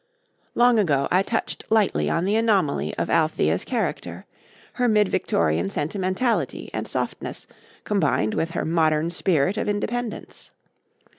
Long ago I touched lightly on the anomaly of Althea's character her mid Victorian sentimentality and softness, combined with her modern spirit of independence.